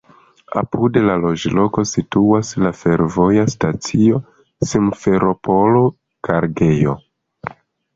Apud la loĝloko situas la fervoja stacio "Simferopolo-kargejo".